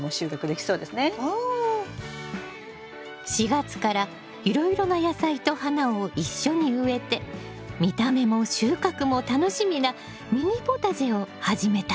４月からいろいろな野菜と花を一緒に植えて見た目も収穫も楽しみなミニポタジェを始めたの。